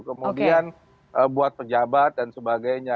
kemudian buat pejabat dan sebagainya